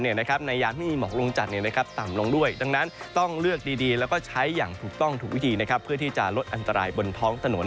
นโน้นเนี่ยนะครับในยานไม่มีหมอกลงจากนี้นะครับตามลงด้วยดังนั้นต้องเลือกดีแล้วก็ใช้อย่างถูกต้องถูกวิธีนะครับเพื่อที่จะลดอันตรายบนท้อง